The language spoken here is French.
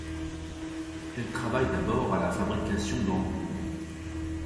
Elle travaille d'abord à la fabrication d'ampoules.